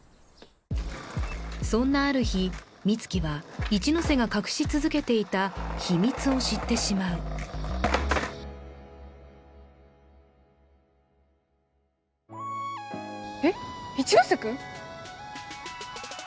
そんなある日美月は一ノ瀬が隠し続けていた秘密を知ってしまうえっ一ノ瀬君？